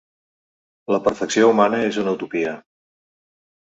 La perfecció humana és una utopia.